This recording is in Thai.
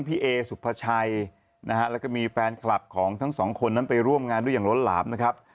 พี่เอสุภาชัยนะฮะแล้วก็มีแฟนคลับของทั้งสองคนนั้นไปร่วมงานด้วยอย่างล้นหลามนะครับ